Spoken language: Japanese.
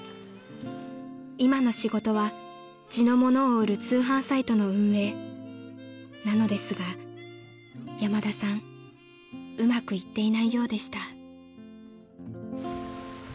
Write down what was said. ［今の仕事は地のものを売る通販サイトの運営なのですが山田さんうまくいっていないようでした］